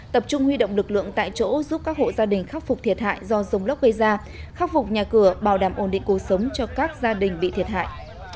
tập trung huy động lực lượng tại chỗ giúp các hộ gia đình khắc phục thiệt hại do rông lốc gây ra khắc phục nhà cửa bảo đảm ổn định cuộc sống cho các gia đình bị thiệt hại